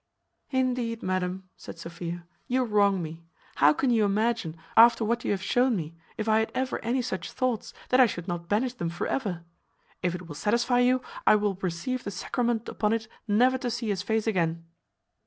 "Indeed, madam," said Sophia, "you wrong me. How can you imagine, after what you have shewn me, if I had ever any such thoughts, that I should not banish them for ever? If it will satisfy you, I will receive the sacrament upon it never to see his face again."